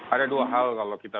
ada dua hal kalau kita